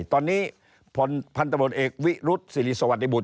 ตอนนี้พนธนตระบนเอกวิรุษสิริสวทิบุทธ์